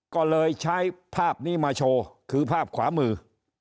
ก็เลยใช้ภาพนี้มาโชว์คือภาพขวามือ